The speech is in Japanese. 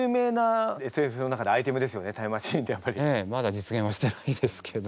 ええまだ実現はしてないですけど。